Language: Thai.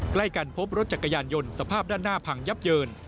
ใกล้กันพบรถจักรยานยนต์สภาพด้านหน้าพังยับเยิน